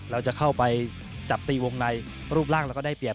เราจะเข้าไปจับตีวงในรูปร่างแล้วก็ได้เรียบ